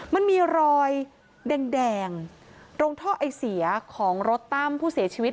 มันมีรอยแดงตรงท่อไอเสียของรถตั้มผู้เสียชีวิต